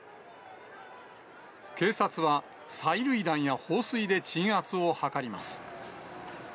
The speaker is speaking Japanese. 警察は、催涙弾や放水で鎮圧を図ります。